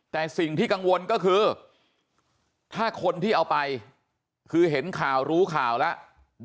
แต่สิ่งที่กังวลก็คือถ้าคนที่เอาไปคือเห็นข่าวรู้ข่าวแล้ว